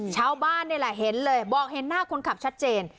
ชาวบ้านนี่แหละเห็นเลยบอกเห็นหน้าคนขับชัดเจน